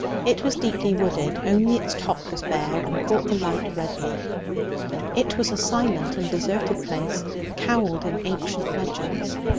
It was deeply wooded; only its top was bare and caught the light redly. It was a silent and deserted place, cowled in ancient legends.